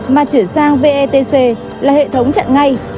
mà chuyển sang vetc là hệ thống chặn ngay